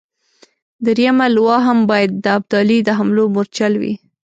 درېمه لواء هم باید د ابدالي د حملو مورچل وي.